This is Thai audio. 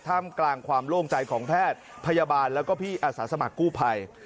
กลางความโล่งใจของแพทย์พยาบาลแล้วก็พี่อาสาสมัครกู้ภัย